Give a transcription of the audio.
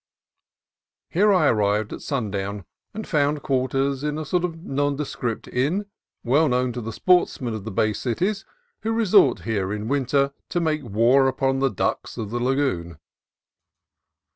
Here I arrived at sundown, and found quarters at a sort of nondescript inn, well known to the sportsmen of the Bay cities, who re sort here in winter to make war upon the ducks of the lagoon.